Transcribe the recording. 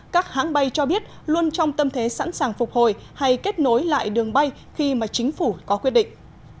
các hãng bay cho biết luôn trong tâm thế sẵn sàng phục hồi hay kết nối lại đường bay khi mà chính phủ có quyết định